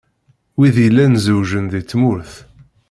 Wid yellan zewjen deg tmurt.